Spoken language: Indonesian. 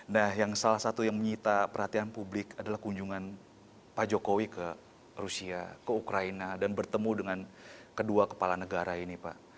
nah yang salah satu yang menyita perhatian publik adalah kunjungan pak jokowi ke rusia ke ukraina dan bertemu dengan kedua kepala negara ini pak